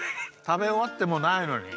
たべおわってもないのに？